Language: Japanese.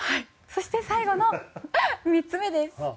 そして最後の３つ目です。